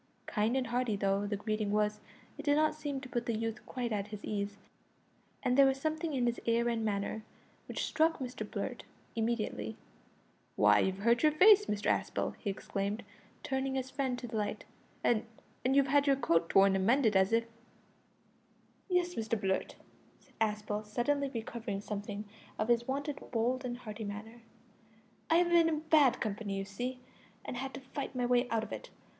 Kind and hearty though the greeting was, it did not seem to put the youth quite at his ease, and there was a something in his air and manner which struck Mr Blurt immediately. "Why, you've hurt your face, Mr Aspel," he exclaimed, turning his friend to the light. "And and you've had your coat torn and mended as if " "Yes, Mr Blurt," said Aspel, suddenly recovering something of his wonted bold and hearty manner; "I have been in bad company, you see, and had to fight my way out of it.